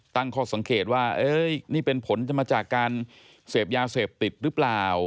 ตั้งข้อสังเกตว่านี่เป็นผลจะมาจากการเสพยาเสพติดหรือเปล่า